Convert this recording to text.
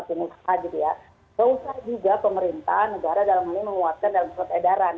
pengusaha juga pemerintahan negara dalam hal ini menguatkan dalam surat edaran